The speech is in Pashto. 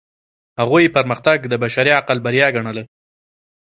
هغوی پرمختګ د بشري عقل بریا ګڼله.